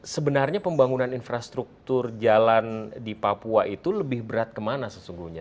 sebenarnya pembangunan infrastruktur jalan di papua itu lebih berat kemana sesungguhnya